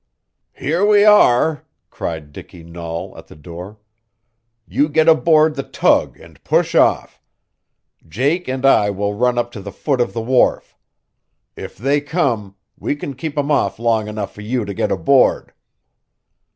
"Here we are!" cried Dicky Nahl at the door. "You get aboard the tug and push off. Jake and I will run up to the foot of the wharf. If they come, we can keep 'em off long enough for you to get aboard."